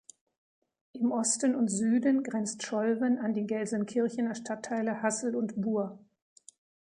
Im Osten und Süden grenzt Scholven an die Gelsenkirchener Stadtteile Hassel und Buer.